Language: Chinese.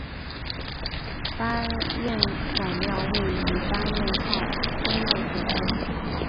巴彦乃庙位于巴彦淖尔苏木所在地。